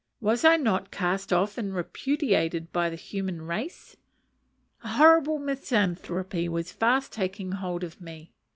was I not cast off and repudiated by the human race? (A horrible misanthropy was fast taking hold of me.)